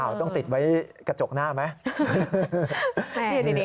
ต้องติดไว้กระจกหน้าไหม